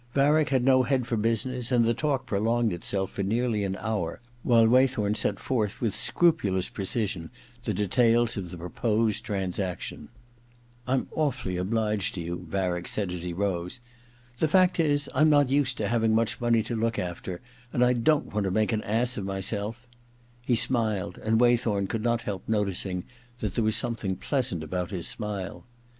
Varick had no experience of business, and the talk prolonged itself for nearly an hour while Waythorn set forth with scrupulous pre cision the details of the proposed transaction. * Tm awfully obliged to you,' Varick said as he rose. * The fact is I'm not used to having much money to look after, and I don't want to make an ass of myself ' He smiled, and 56 THE OTHER TWO iii Waythorn could not hdp noticing that there was something pleasant about his smile.